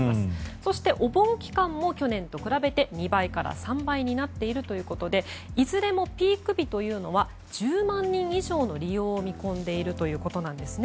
そして、お盆期間も去年と比べて２倍から３倍になっているということでいずれもピーク日というのは１０万人以上の利用を見込んでいるということです。